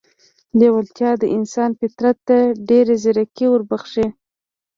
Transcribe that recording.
لېوالتیا د انسان فطرت ته ډېره ځیرکي وربښي